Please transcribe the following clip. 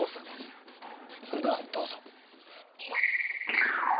それではどうぞ。